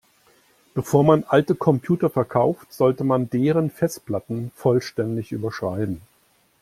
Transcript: Bevor man alte Computer verkauft, sollte man deren Festplatten vollständig überschreiben.